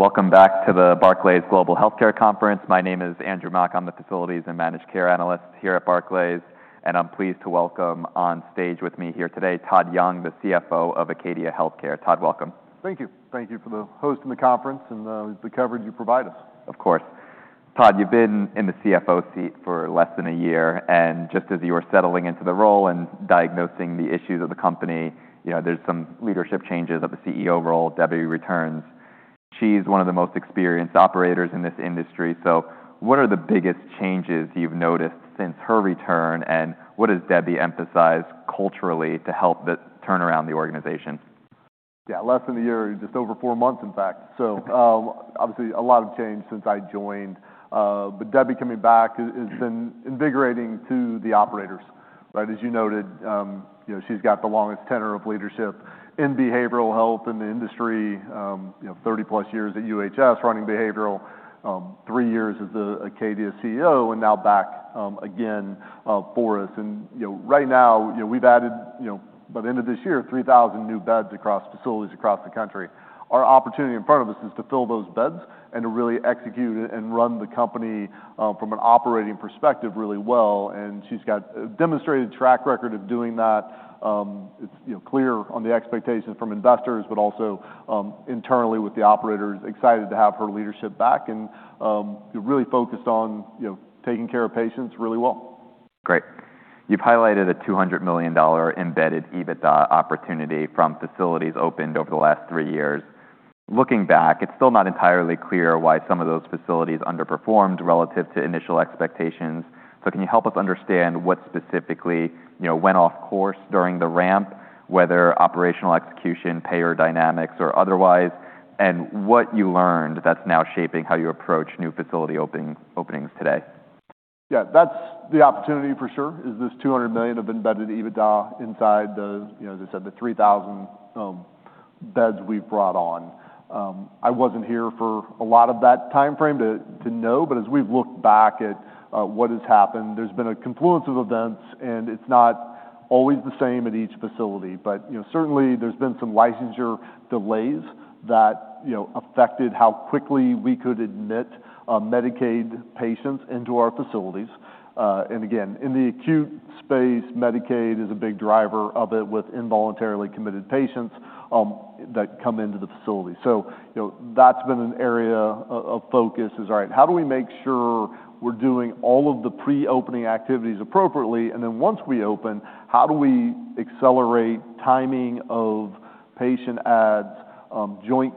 Welcome back to the Barclays Global Healthcare Conference. My name is Andrew Mok. I'm the Facilities & Managed Care Analyst here at Barclays, and I'm pleased to welcome on stage with me here today, Todd Young, the CFO of Acadia Healthcare. Todd, welcome. Thank you. Thank you for hosting the conference and the coverage you provide us. Of course. Todd, you've been in the CFO seat for less than a year, and just as you were settling into the role and diagnosing the issues of the company, there's some leadership changes of the CEO role, Debbie returns. She's one of the most experienced operators in this industry. What are the biggest changes you've noticed since her return, and what has Debbie emphasized culturally to help turn around the organization? Yeah, less than a year, just over 4 months, in fact. Obviously, a lot of change since I joined. Debbie coming back has been invigorating to the operators, right? As you noted, she's got the longest tenure of leadership in behavioral health in the industry, 30+ Years at UHS running behavioral, 3 years as the Acadia CEO, and now back again for us. Right now, we've added, by the end of this year, 3,000 new beds across facilities across the country. Our opportunity in front of us is to fill those beds and to really execute and run the company from an operating perspective really well. She's got a demonstrated track record of doing that. It's clear on the expectations from investors, but also internally with the operators, excited to have her leadership back and really focused on taking care of patients really well. Great. You've highlighted a $200 million Embedded EBITDA opportunity from facilities opened over the last three years. Looking back, it's still not entirely clear why some of those facilities underperformed relative to initial expectations. Can you help us understand what specifically went off course during the ramp, whether operational execution, payer dynamics, or otherwise, and what you learned that's now shaping how you approach new facility openings today? Yeah, that's the opportunity for sure, is this $200 million of embedded EBITDA inside the, as I said, the 3,000 beds we've brought on. I wasn't here for a lot of that timeframe to know, but as we've looked back at what has happened, there's been a confluence of events, and it's not always the same at each facility. Certainly there's been some licensure delays that affected how quickly we could admit Medicaid patients into our facilities. Again, in the acute space, Medicaid is a big driver of it with involuntarily committed patients that come into the facility. That's been an area of focus is, all right, how do we make sure we're doing all of the pre-opening activities appropriately? Once we open, how do we accelerate timing of patient adds, Joint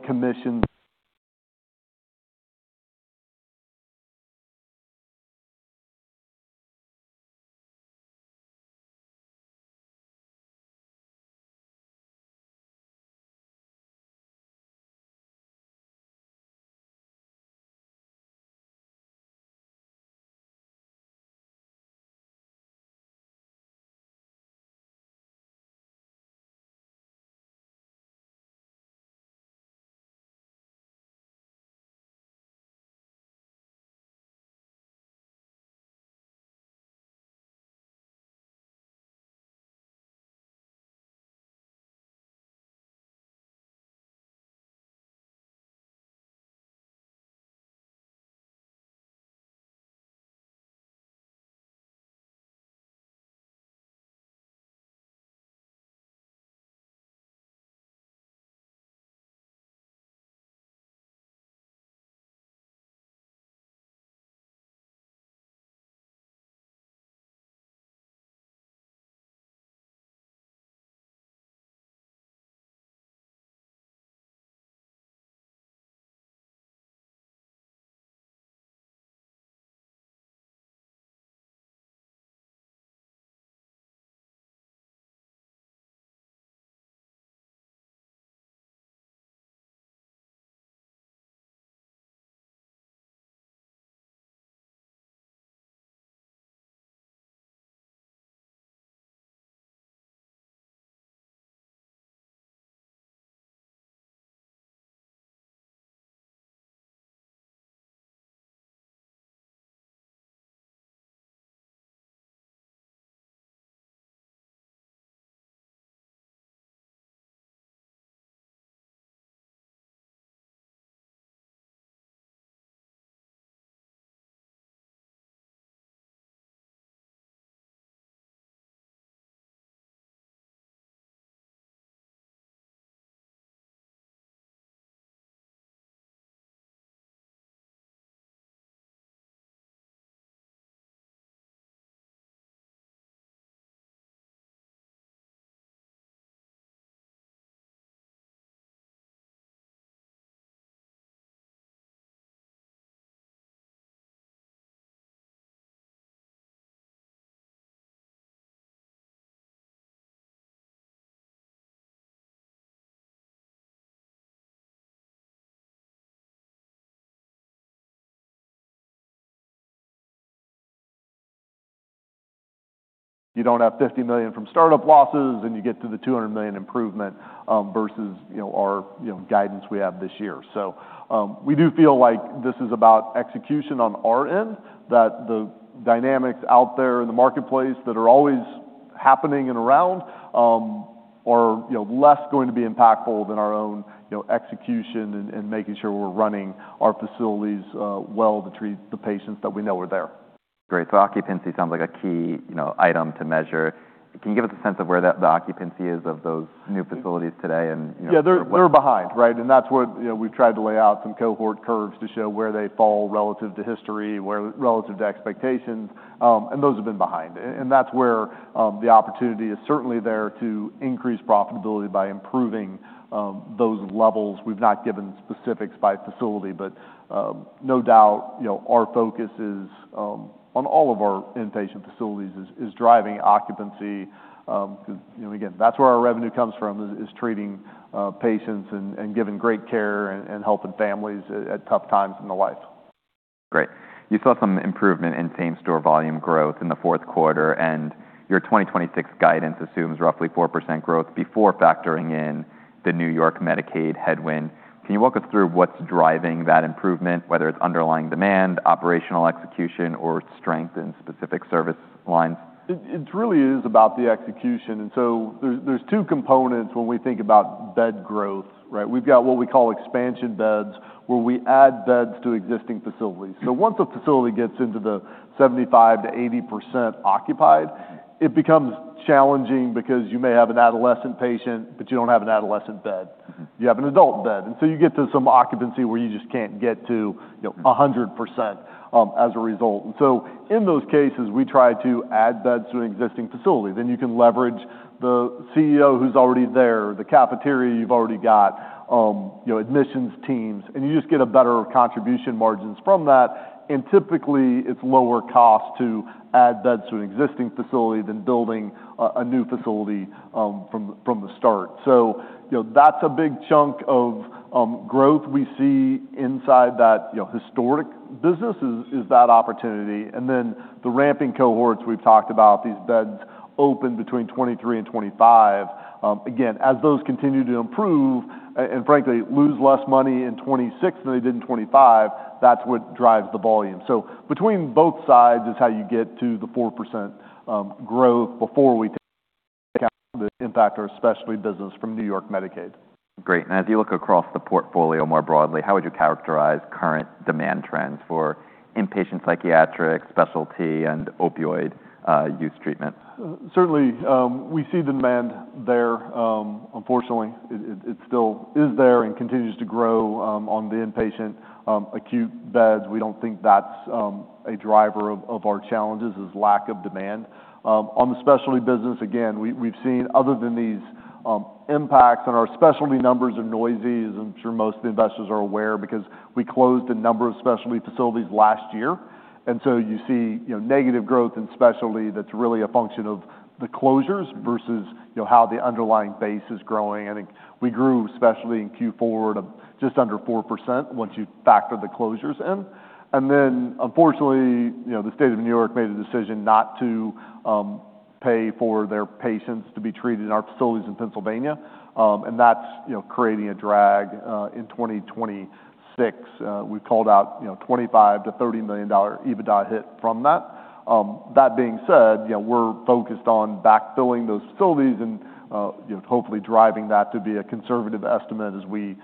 Commission, or, you know, less going to be impactful than our own, you know, execution and making sure we're running our facilities well to treat the patients that we know are there. Great. Occupancy sounds like a key, you know, item to measure. Can you give us a sense of where the occupancy is of those new facilities today and, you know? Yeah, they're behind, right? That's where, you know, we've tried to lay out some cohort curves to show where they fall relative to history, relative to expectations, and those have been behind. That's where the opportunity is certainly there to increase profitability by improving those levels. We've not given specifics by facility, but no doubt, you know, our focus is on all of our inpatient facilities is driving occupancy. You know, again, that's where our revenue comes from is treating patients and giving great care and helping families at tough times in their life. Great. You saw some improvement in same-store volume growth in the fourth quarter, and your 2026 guidance assumes roughly 4% growth before factoring in the New York Medicaid headwind. Can you walk us through what's driving that improvement, whether it's underlying demand, operational execution, or strength in specific service lines? It really is about the execution. There's two components when we think about bed growth, right? We've got what we call expansion beds, where we add beds to existing facilities. Once a facility gets into the 75%-80% occupied, it becomes challenging because you may have an adolescent patient, but you don't have an adolescent bed. You have an adult bed. You get to some occupancy where you just can't get to, you know, 100%, as a result. In those cases, we try to add beds to an existing facility. You can leverage the CEO who's already there, the cafeteria you've already got, you know, admissions teams, and you just get a better contribution margins from that. Typically, it's lower cost to add beds to an existing facility than building a new facility from the start. You know, that's a big chunk of growth we see inside that historic business is that opportunity. Then the ramping cohorts we've talked about, these beds opened between 2023 and 2025. Again, as those continue to improve and frankly, lose less money in 2026 than they did in 2025, that's what drives the volume. Between both sides is how you get to the 4% growth before we take the impact on our specialty business from New York Medicaid. Great. As you look across the portfolio more broadly, how would you characterize current demand trends for inpatient psychiatric, specialty, and opioid use treatment? Certainly, we see demand there. Unfortunately, it still is there and continues to grow on the inpatient acute beds. We don't think that's a driver of our challenges is lack of demand. On the specialty business, again, we've seen other than these impacts and our specialty numbers are noisy, as I'm sure most investors are aware, because we closed a number of specialty facilities last year. You see, you know, negative growth in specialty that's really a function of the closures versus, you know, how the underlying base is growing. I think we grew specialty in Q4 of just under 4% once you factor the closures in. Unfortunately, you know, the state of New York made a decision not to pay for their patients to be treated in our facilities in Pennsylvania. That's, you know, creating a drag in 2026. We called out, you know, $25 million-$30 million EBITDA hit from that. That being said, you know, we're focused on backfilling those facilities and, you know, hopefully driving that to be a conservative estimate as we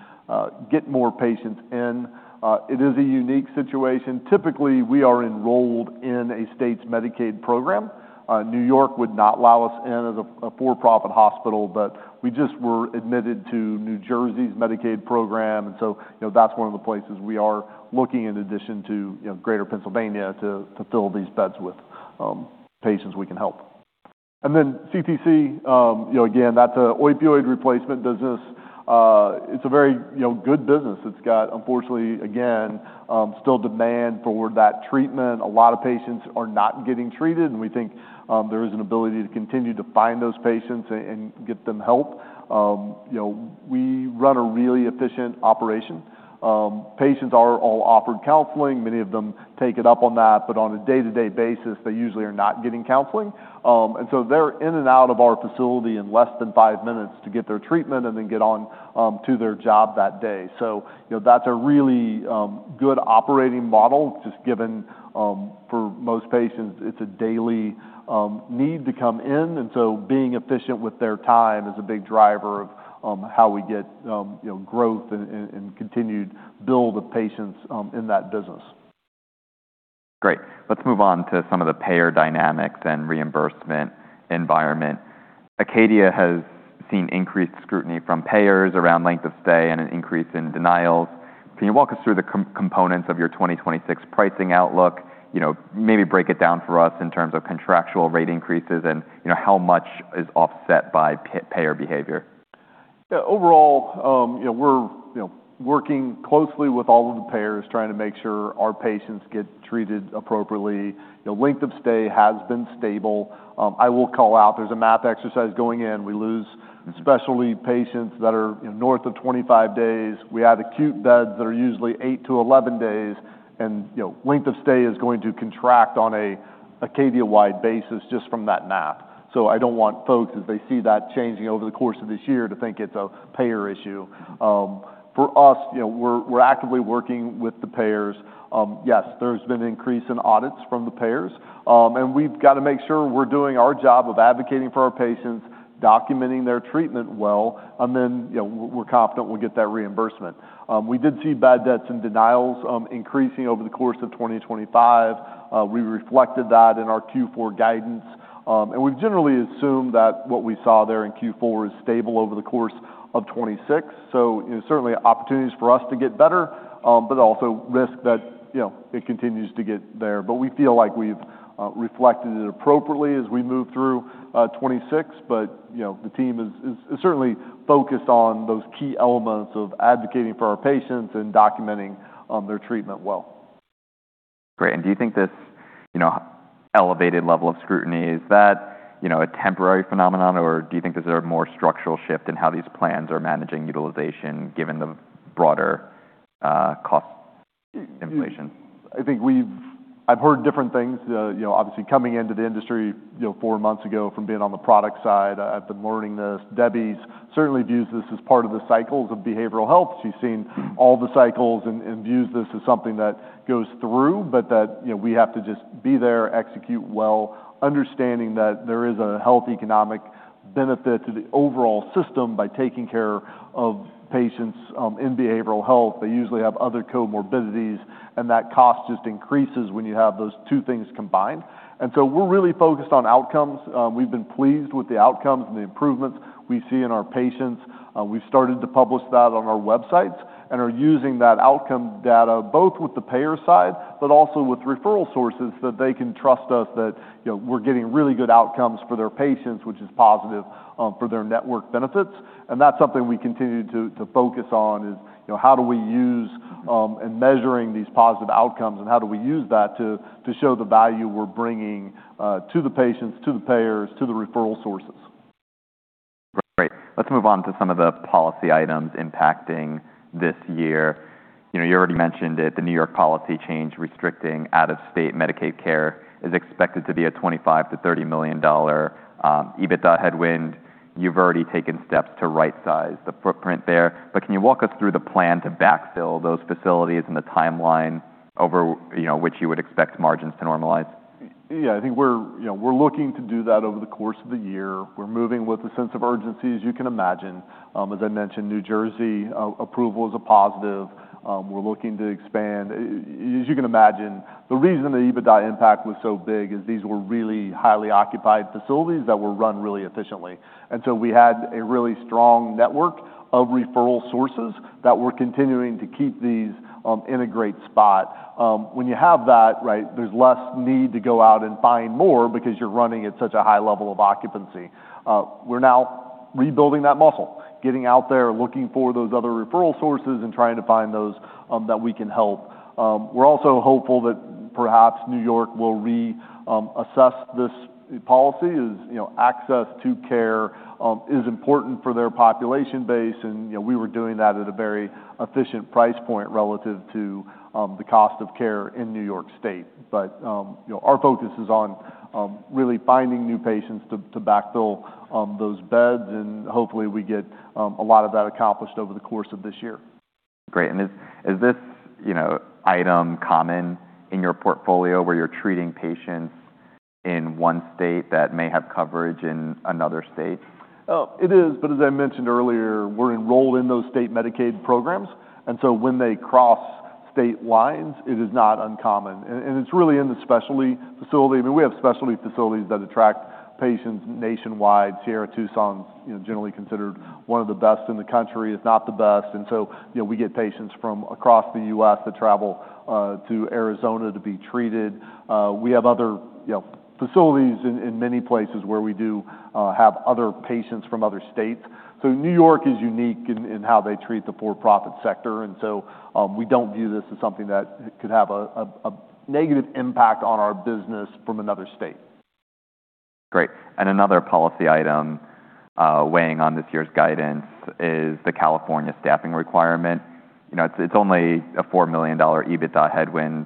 get more patients in. It is a unique situation. Typically, we are enrolled in a state's Medicaid program. New York would not allow us in as a for-profit hospital, but we just were admitted to New Jersey's Medicaid program. You know, that's one of the places we are looking in addition to, you know, greater Pennsylvania to fill these beds with patients we can help. CTC, you know, again, that's an opioid replacement business. It's a very, you know, good business. It's got, unfortunately, again, still demand for that treatment. A lot of patients are not getting treated, and we think there is an ability to continue to find those patients and get them help. You know, we run a really efficient operation. Patients are all offered counseling. Many of them take it up on that, but on a day-to-day basis, they usually are not getting counseling. They're in and out of our facility in less than five minutes to get their treatment and then get on to their job that day. You know, that's a really good operating model, just given for most patients, it's a daily need to come in. Being efficient with their time is a big driver of how we get, you know, growth and continued build of patients in that business. Great. Let's move on to some of the payer dynamics and reimbursement environment. Acadia has seen increased scrutiny from payers around length of stay and an increase in denials. Can you walk us through the components of your 2026 pricing outlook? You know, maybe break it down for us in terms of contractual rate increases and, you know, how much is offset by payer behavior. Yeah. Overall, you know, we're, you know, working closely with all of the payers, trying to make sure our patients get treated appropriately. You know, length of stay has been stable. I will call out there's a math exercise going on. We lose specialty patients that are, you know, north of 25 days. We have acute beds that are usually 8 to 11 days. You know, length of stay is going to contract on an Acadia-wide basis just from that math. I don't want folks, as they see that changing over the course of this year, to think it's a payer issue. For us, you know, we're actively working with the payers. Yes, there's been an increase in audits from the payers. We've got to make sure we're doing our job of advocating for our patients, documenting their treatment well, and then, you know, we're confident we'll get that reimbursement. We did see bad debts and denials increasing over the course of 2025. We reflected that in our Q4 guidance. We've generally assumed that what we saw there in Q4 is stable over the course of 2026. You know, certainly opportunities for us to get better, but also risk that, you know, it continues to get there. We feel like we've reflected it appropriately as we move through 2026. You know, the team is certainly focused on those key elements of advocating for our patients and documenting their treatment well. Great. Do you think this, you know, elevated level of scrutiny, is that, you know, a temporary phenomenon, or do you think this is a more structural shift in how these plans are managing utilization given the broader, cost inflation? I think I've heard different things, you know, obviously coming into the industry, you know, four months ago from being on the product side. I've been learning this. Debbie certainly views this as part of the cycles of behavioral health. She's seen all the cycles and views this as something that goes through, but that, you know, we have to just be there, execute well, understanding that there is a health economic benefit to the overall system by taking care of patients in behavioral health. They usually have other comorbidities, and that cost just increases when you have those two things combined. We're really focused on outcomes. We've been pleased with the outcomes and the improvements we see in our patients. We've started to publish that on our websites and are using that outcome data both with the payer side, but also with referral sources that they can trust us that, you know, we're getting really good outcomes for their patients, which is positive for their network benefits. That's something we continue to focus on is, you know, how do we use in measuring these positive outcomes, and how do we use that to show the value we're bringing to the patients, to the payers, to the referral sources. Great. Let's move on to some of the policy items impacting this year. You know, you already mentioned it, the New York policy change restricting out-of-state Medicaid care is expected to be a $25 million-$30 million EBITDA headwind. You've already taken steps to right-size the footprint there. Can you walk us through the plan to backfill those facilities and the timeline over, you know, which you would expect margins to normalize? Yeah. I think we're, you know, we're looking to do that over the course of the year. We're moving with a sense of urgency, as you can imagine. As I mentioned, New Jersey approval is a positive. We're looking to expand. As you can imagine, the reason the EBITDA impact was so big is these were really highly occupied facilities that were run really efficiently. We had a really strong network of referral sources that we're continuing to keep these in a great spot. When you have that, right, there's less need to go out and find more because you're running at such a high level of occupancy. We're now rebuilding that muscle, getting out there, looking for those other referral sources and trying to find those that we can help. We're also hopeful that perhaps New York will reassess this policy as, you know, access to care is important for their population base. You know, we were doing that at a very efficient price point relative to the cost of care in New York State. You know, our focus is on really finding new patients to backfill those beds, and hopefully, we get a lot of that accomplished over the course of this year. Great. Is this, you know, item common in your portfolio where you're treating patients in one state that may have coverage in another state? It is, but as I mentioned earlier, we're enrolled in those state Medicaid programs, and so when they cross state lines, it is not uncommon. It's really in the specialty facility. I mean, we have specialty facilities that attract patients nationwide. Sierra Tucson, you know, generally considered one of the best in the country, if not the best. You know, we get patients from across the U.S. that travel to Arizona to be treated. We have other facilities in many places where we do have other patients from other states. New York is unique in how they treat the for-profit sector, and we don't view this as something that could have a negative impact on our business from another state. Great. Another policy item weighing on this year's guidance is the California staffing requirement. You know, it's only a $4 million EBITDA headwind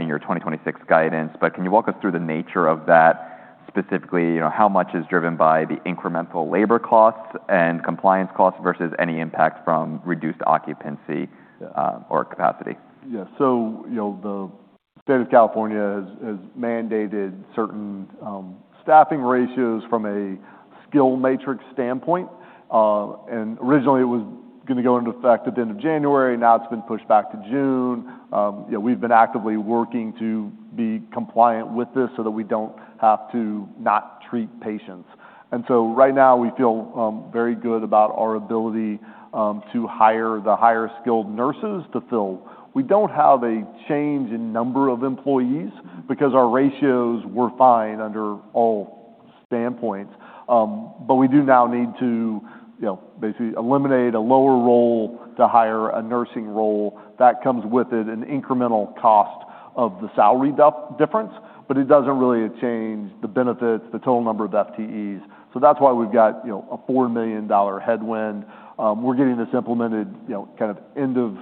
in your 2026 guidance. Can you walk us through the nature of that specifically? You know, how much is driven by the incremental labor costs and compliance costs versus any impact from reduced occupancy or capacity? Yeah. The state of California has mandated certain staffing ratios from a skill matrix standpoint. Originally, it was gonna go into effect at the end of January. Now it's been pushed back to June. You know, we've been actively working to be compliant with this so that we don't have to not treat patients. Right now, we feel very good about our ability to hire the higher-skilled nurses to fill. We don't have a change in number of employees because our ratios were fine under all standpoints. We do now need to, you know, basically eliminate a lower role to hire a nursing role. That comes with it an incremental cost of the salary difference, but it doesn't really change the benefits, the total number of FTEs. That's why we've got, you know, a $4 million headwind. We're getting this implemented, you know, kind of end of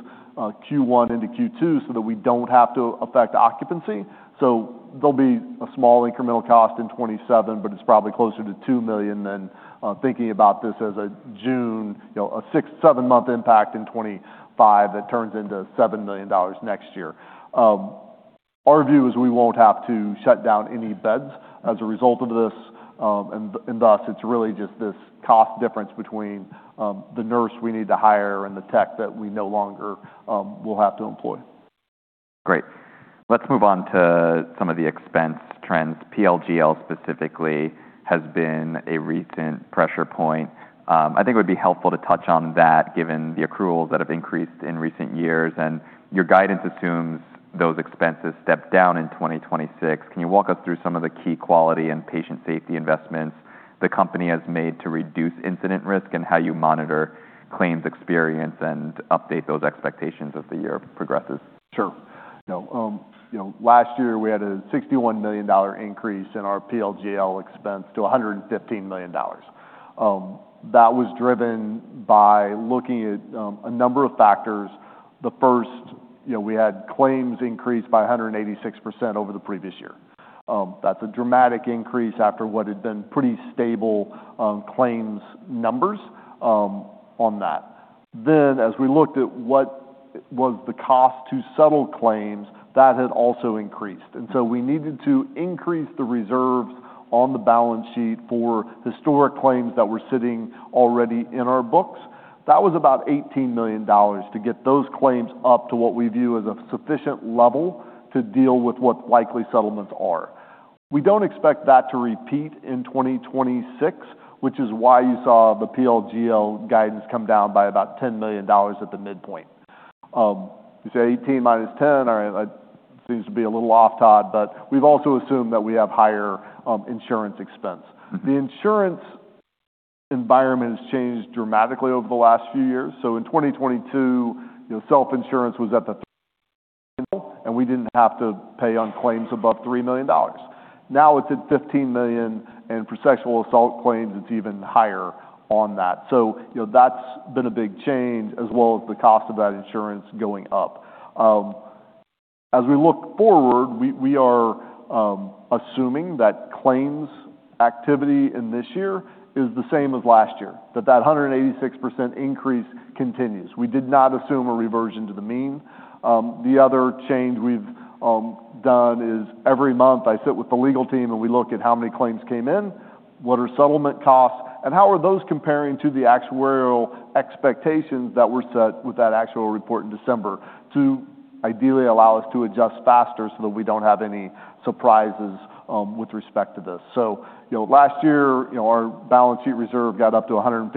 Q1 into Q2 so that we don't have to affect occupancy. There'll be a small incremental cost in 2027, but it's probably closer to $2 million than thinking about this as a June, you know, a 6-7 month impact in 2025 that turns into $7 million next year. Our view is we won't have to shut down any beds as a result of this, and thus it's really just this cost difference between the nurse we need to hire and the tech that we no longer will have to employ. Great. Let's move on to some of the expense trends. PLGL specifically has been a recent pressure point. I think it would be helpful to touch on that given the accruals that have increased in recent years, and your guidance assumes those expenses step down in 2026. Can you walk us through some of the key quality and patient safety investments the company has made to reduce incident risk and how you monitor claims experience and update those expectations as the year progresses? Sure. You know, last year we had a $61 million increase in our PLGL expense to $115 million. That was driven by looking at a number of factors. The first, you know, we had claims increase by 186% over the previous year. That's a dramatic increase after what had been pretty stable claims numbers on that. Then as we looked at what was the cost to settle claims, that had also increased. We needed to increase the reserves on the balance sheet for historic claims that were sitting already in our books. That was about $18 million to get those claims up to what we view as a sufficient level to deal with what likely settlements are. We don't expect that to repeat in 2026, which is why you saw the PLGL guidance come down by about $10 million at the midpoint. You say 18 minus 10, all right, that seems to be a little off, Todd, but we've also assumed that we have higher insurance expense. The insurance environment has changed dramatically over the last few years. In 2022, you know, self-insurance was at $3 million and we didn't have to pay on claims above $3 million. Now it's at $15 million, and for sexual assault claims, it's even higher on that. You know, that's been a big change, as well as the cost of that insurance going up. As we look forward, we are assuming that claims activity in this year is the same as last year, that 186% increase continues. We did not assume a reversion to the mean. The other change we've done is every month I sit with the legal team and we look at how many claims came in, what are settlement costs, and how are those comparing to the actuarial expectations that were set with that actuarial report in December to ideally allow us to adjust faster so that we don't have any surprises with respect to this. You know, last year, our balance sheet reserve got up to $155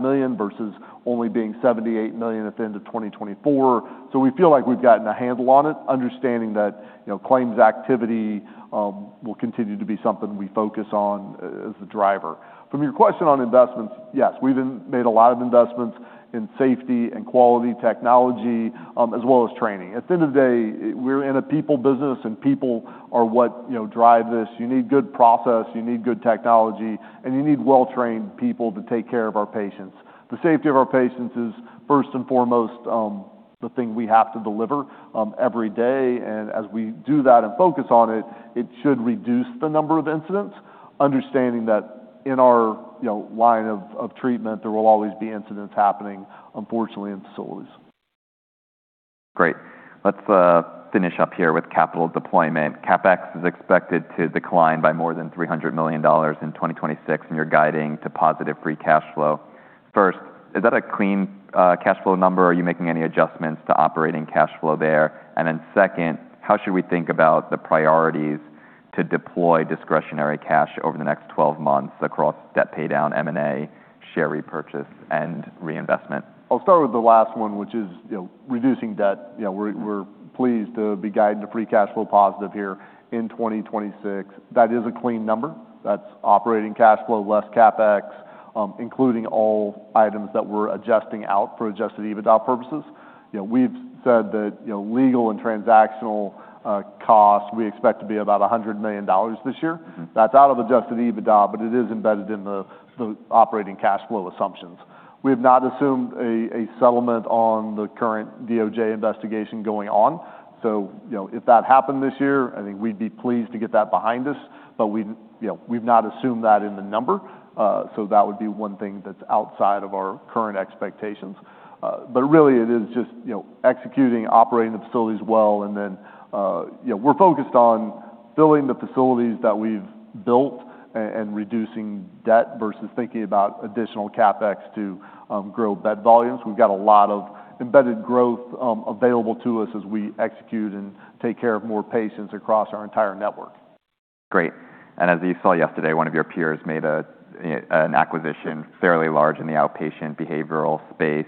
million versus only being $78 million at the end of 2024. We feel like we've gotten a handle on it, understanding that, you know, claims activity will continue to be something we focus on as a driver. From your question on investments, yes, we've made a lot of investments in safety and quality technology, as well as training. At the end of the day, we're in a people business and people are what, you know, drive this. You need good process, you need good technology, and you need well-trained people to take care of our patients. The safety of our patients is first and foremost, the thing we have to deliver every day. As we do that and focus on it should reduce the number of incidents, understanding that in our, you know, line of treatment, there will always be incidents happening, unfortunately, in facilities. Great. Let's finish up here with capital deployment. CapEx is expected to decline by more than $300 million in 2026, and you're guiding to positive free cash flow. First, is that a clean cash flow number? Are you making any adjustments to operating cash flow there? Then second, how should we think about the priorities to deploy discretionary cash over the next 12 months across debt paydown, M&A, share repurchase, and reinvestment? I'll start with the last one, which is, you know, reducing debt. You know, we're pleased to be guiding to free cash flow positive here in 2026. That is a clean number. That's operating cash flow, less CapEx, including all items that we're adjusting out for adjusted EBITDA purposes. You know, we've said that, you know, legal and transactional costs we expect to be about $100 million this year. That's out of adjusted EBITDA, but it is embedded in the operating cash flow assumptions. We have not assumed a settlement on the current DOJ investigation going on. You know, if that happened this year, I think we'd be pleased to get that behind us. We, you know, we've not assumed that in the number. That would be one thing that's outside of our current expectations. really it is just, you know, executing, operating the facilities well. you know, we're focused on filling the facilities that we've built and reducing debt versus thinking about additional CapEx to grow bed volumes. We've got a lot of embedded growth available to us as we execute and take care of more patients across our entire network. Great. As you saw yesterday, one of your peers made an acquisition fairly large in the outpatient behavioral space.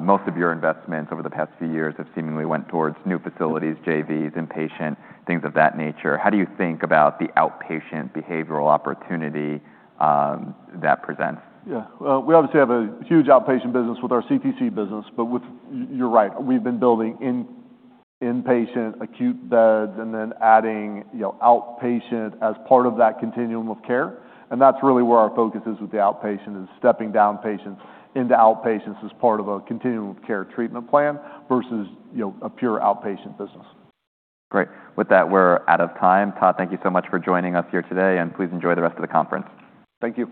Most of your investments over the past few years have seemingly went towards new facilities, JVs, inpatient, things of that nature. How do you think about the outpatient behavioral opportunity that presents? Yeah. Well, we obviously have a huge outpatient business with our CTC business, but you're right. We've been building inpatient acute beds and then adding, you know, outpatient as part of that continuum of care. That's really where our focus is with the outpatient, is stepping down patients into outpatients as part of a continuum of care treatment plan versus, you know, a pure outpatient business. Great. With that, we're out of time. Todd, thank you so much for joining us here today, and please enjoy the rest of the conference. Thank you.